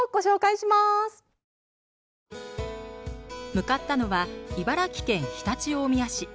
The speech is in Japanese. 向かったのは茨城県常陸大宮市。